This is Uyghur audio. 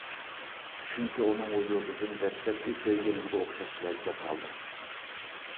چۈنكى ئۇنىڭ ۋۇجۇدىدىن دەسلەپكى سۆيگىنىمگە ئوخشاش لەززەت ئالدىم.